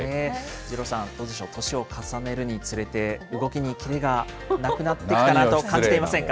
二郎さん、どうでしょう、年を重ねるにつれて、動きに切れがなくなってきたなと感じていませんか。